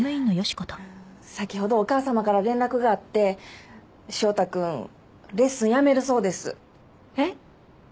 先ほどお母さまから連絡があって翔太君レッスン辞めるそうですえっ？